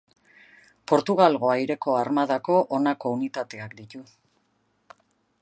Portugalgo Aireko Armadako honako unitateak ditu.